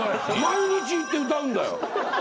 毎日行って歌うんだよ。